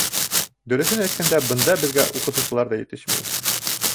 Дөрөҫөн әйткәндә, бында беҙгә уҡытыусылар ҙа етешмәй...